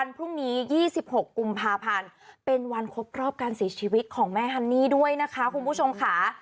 ดูสีชีวิตของแม่ฮันนี่ด้วยนะคะคุณผู้ชมค่ะ